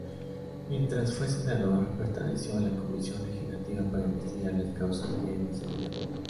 Mientras fue senador, perteneció a la Comisión Legislativa para investigar las causas del desempleo.